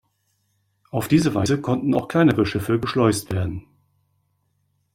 Auf diese Weise konnten auch kleinere Schiffe „geschleust“ werden.